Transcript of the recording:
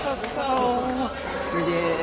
すげえ。